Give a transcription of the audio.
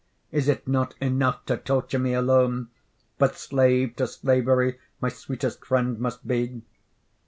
Is't not enough to torture me alone, But slave to slavery my sweet'st friend must be?